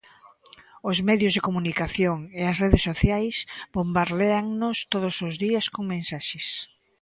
Os medios de comunicación e as redes sociais bombardéannos todos os días con mensaxes.